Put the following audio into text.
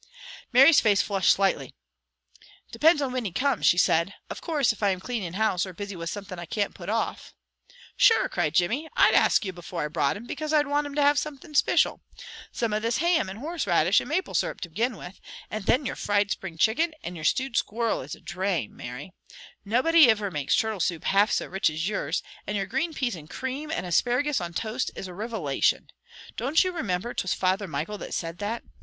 Mary's face flushed slightly. "Depends on whin he comes," she said. "Of course, if I am cleaning house, or busy with something I can't put off " "Sure!" cried Jimmy. "I'd ask you before I brought him, because I'd want him to have something spicial. Some of this ham, and horse radish, and maple syrup to begin with, and thin your fried spring chicken and your stewed squirrel is a drame, Mary. Nobody iver makes turtle soup half so rich as yours, and your green peas in cream, and asparagus on toast is a rivilation don't you rimimber 'twas Father Michael that said it?